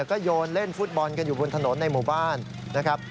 ก็โยนเล่นฟุตบอลกันอยู่บนถนนในหมู่บ้านนะครับ